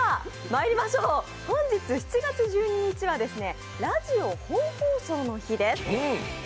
まいりましょう、本日７月１２日はラジオ本放送の日です。